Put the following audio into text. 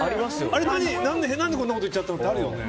あれ、何でこんなこと言っちゃったのってありますよね。